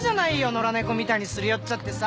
野良猫みたいにすり寄っちゃってさ。